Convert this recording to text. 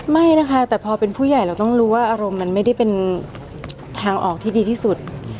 ไม่นะคะแต่พอเป็นผู้ใหญ่เราต้องรู้ว่าอารมณ์มันไม่ได้เป็นทางออกที่ดีที่สุด